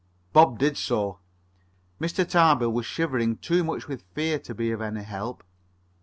Bob did so. Mr. Tarbill was shivering too much with fear to be of any help.